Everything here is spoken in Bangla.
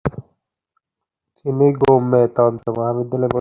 তিনি গ্যুমে তন্ত্র মহাবিদ্যালয়ে ভর্তি হন।